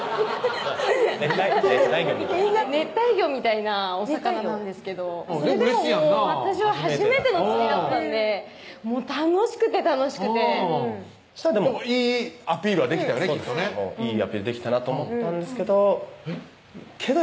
熱帯魚みたいなお魚なんですけどそれでも私は初めての釣りだったんでもう楽しくて楽しくていいアピールはできたよねきっとねいいアピールできたなと思ったんですけどけど